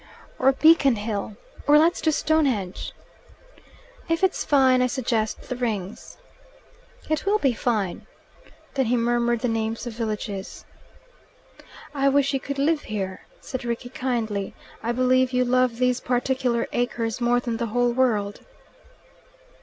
"Or Beacon Hill. Or let's do Stonehenge." "If it's fine, I suggest the Rings." "It will be fine." Then he murmured the names of villages. "I wish you could live here," said Rickie kindly. "I believe you love these particular acres more than the whole world."